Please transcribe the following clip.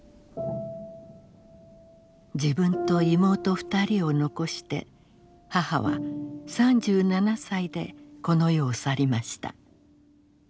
自分と妹２人を残して母は３７歳でこの世を去りました。